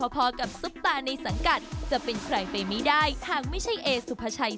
พอกับซุปตาในสังกัดจะเป็นใครไปไม่ได้หากไม่ใช่เอสุภาชัย